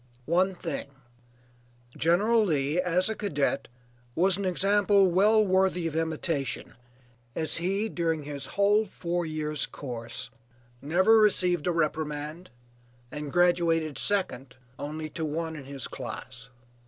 One thing, General Lee, as a cadet, was an example well worthy of imitation, as he, during his whole four years' course, never received a reprimand, and graduated second only to one in his class.